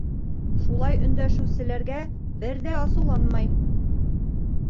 Шулай өндәшеүселәргә бер ҙә асыуланмай.